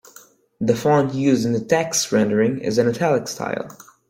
The font used in the TeX rendering is an italic style.